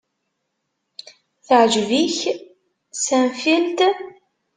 Teɛjeb-ik Seinfeld?